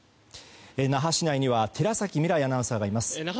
那覇市内には寺崎未来アナウンサーがいます。